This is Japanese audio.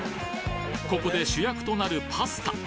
ここで主役となるパスタ。